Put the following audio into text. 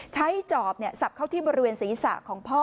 จอบสับเข้าที่บริเวณศีรษะของพ่อ